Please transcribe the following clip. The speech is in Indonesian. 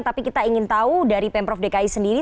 tapi kita ingin tahu dari pemprov dki sendiri